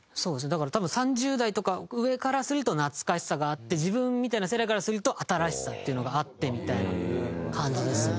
だから３０代とか上からすると懐かしさがあって自分みたいな世代からすると新しさっていうのがあってみたいな感じですね。